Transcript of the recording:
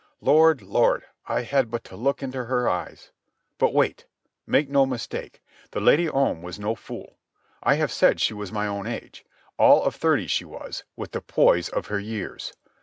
Lord, Lord, I had but to look into her eyes—But wait. Make no mistake. The Lady Om was no fool. I have said she was of my own age. All of thirty she was, with the poise of her years.